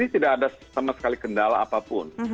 di sini tidak ada sama sekali kendala apapun